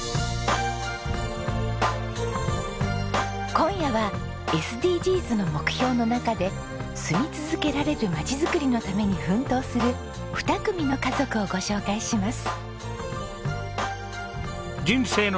今夜はＳＤＧｓの目標の中で住み続けられるまちづくりのために奮闘する２組の家族をご紹介します。